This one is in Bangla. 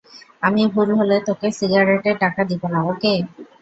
আমি ভুল হলে তোকে সিগারেটের টাকা দিব না, ওকে?